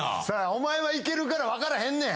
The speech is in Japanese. お前はいけるからわからへんねん。